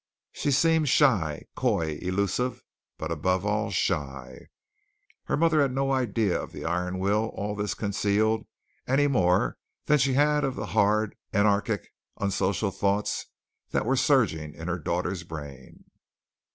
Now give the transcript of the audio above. She seemed shy, coy, elusive, but above all, shy. Her mother had no idea of the iron will all this concealed any more than she had of the hard anarchic, unsocial thoughts that were surging in her daughter's brain.